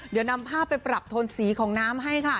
เดี๋ยวนำภาพไปปรับโทนสีของน้ำให้ค่ะ